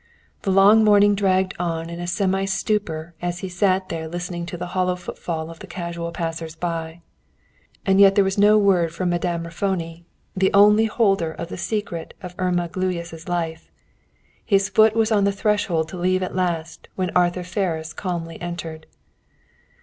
The long morning dragged on in a semi stupor as he sat there listening to the hollow footfall of the casual passers by. And yet there was no word from Madame Raffoni, the only holder of the secret of Irma Gluyas' life. His foot was on the threshhold to leave at last, when Arthur Ferris calmly entered.